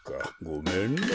ごめんな。